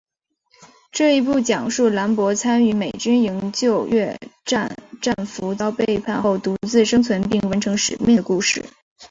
这一部讲述兰博参与美军营救越战战俘遭背叛后独自生存并完成使命的故事。